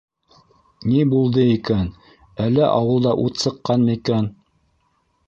— Ни булды икән, әллә ауылда ут сыҡҡанмы икән?